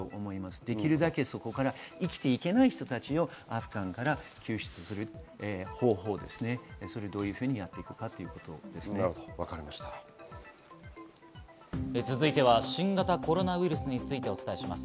できるだけそこから生きていけない人たちをアフガンから救出する方法をどういうふうにやっていくかということ続いては新型コロナウイルスについてお伝えします。